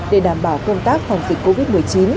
để đảm bảo công tác phòng dịch covid một mươi chín